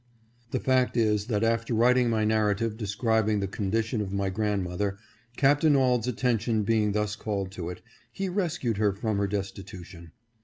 The fact is, that, after writing my narrative describing the condition of my grandmother, Capt. Auld's attention being thus called to it, he rescued her from her destitu tion.